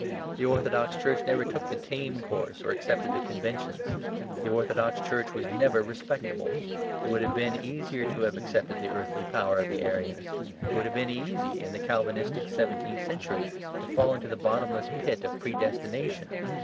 The orthodox Church never took the tame course or accepted the conventions; the orthodox Church was never respectable. It would have been easier to have accepted the earthly power of the Arians. It would have been easy, in the Calvinistic seventeenth century, to fall into the bottomless pit of predestination.